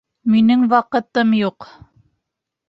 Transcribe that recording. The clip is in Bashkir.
Минең ваҡытым юҡ.